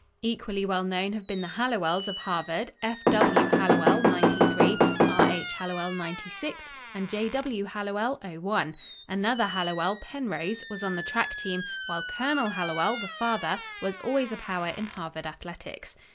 Equally well known have been the Hallowells of Harvard F. W. Hallowell, '93, R. H. Hallowell, '96, and J. W. Hallowell, '01. Another Hallowell Penrose was on the track team, while Colonel Hallowell, the father, was always a power in Harvard athletics.